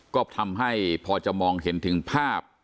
ก็ทำให้พอจะมองเห็นถึงภาพ